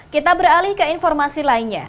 kita beralih ke informasi lainnya